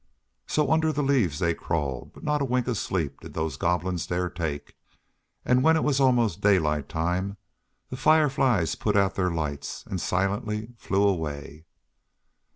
So under the leaves they crawled, but not a wink of sleep did those Goblins dare take, and when it was 'most daylight time the Fireflies put out their lights and silently flew away.